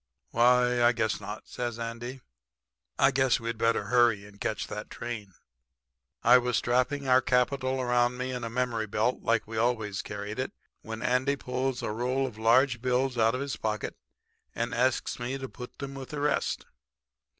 "'Why, I guess not,' says Andy. 'I guess we'd better hurry and catch that train.' "I was strapping our capital around me in a memory belt like we always carried it, when Andy pulls a roll of large bills out of his pocket and asks me to put 'em with the rest.